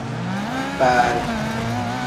Baari.